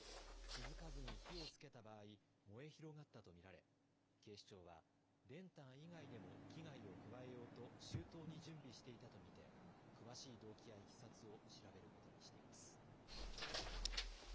気付かずに火をつけた場合、燃え広がったと見られ、警視庁は、練炭以外でも危害を加えようと、周到に準備していたと見て、詳しい動機やいきさつを調べることにしています。